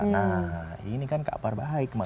nah ini kan kabar baik mas